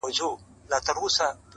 خداى دي كړي خير گراني څه سوي نه وي.